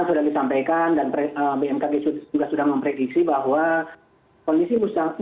sudah disampaikan dan bmkg juga sudah memprediksi bahwa kondisi musim hujan ini berbeda